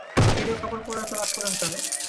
গেরুয়া কাপড় পরেও এত রাগ করেন কেন?